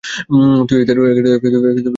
তুই এটা খাসনি, তাই।